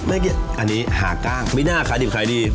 อันนี้หากล้างไม่น่าขายดีดี